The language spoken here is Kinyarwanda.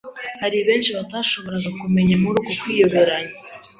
Hariho benshi batashoboraga kumumenya muri uko kwiyoberanya